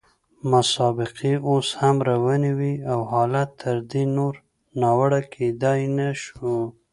مسابقې اوس هم روانې وې او حالت تر دې نور ناوړه کېدای نه شو.